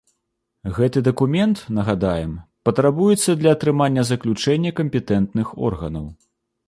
Гэты дакумент, нагадаем, патрабуецца для атрымання заключэння кампетэнтных органаў.